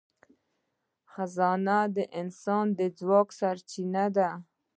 خزانه د انسان د ځواک سرچینه ده.